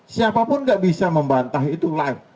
siapapun gak bisa membantah itu live